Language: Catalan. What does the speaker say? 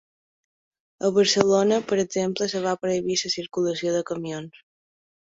A Barcelona, per exemple, es va prohibir la circulació de camions.